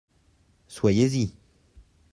Soyez-y.